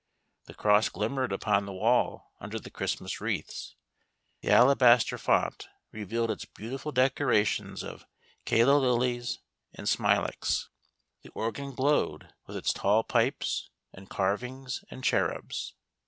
The cross glimmered upon the wall under the Christmas wreaths ; the alabaster font revealed its beautiful decorations of calla lilies and smilax; the organ glowed with its tall pipes, and carv ings and cherubs.